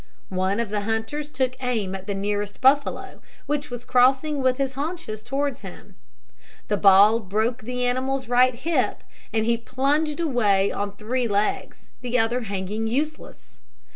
One of the hunters took aim at the nearest buffalo, which was crossing with his haunches towards him. The ball broke the animal's right hip, and he plunged away on three legs, the other hanging useless.